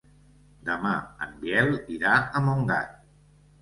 Demà en Biel irà a Montgat.